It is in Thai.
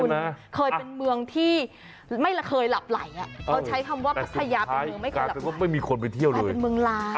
เนอะที่ไม่เคยหลับไหลน่ะเขาใช้คำว่าทีไม่มีคนไปเที่ยวเลย